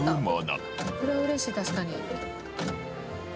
これは嬉しい確かに。